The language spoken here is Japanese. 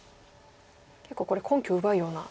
結構これ根拠を奪うような。